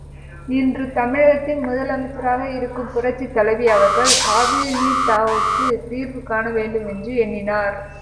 இன்று தமிழகத்தின் முதலமைச்சராக இருக்கும் புரட்சித்தலைவி அவர்கள் காவிரி நீர் தாவாவுக்குத் தீர்வுகாண வேண்டும் என்று எண்ணினார்.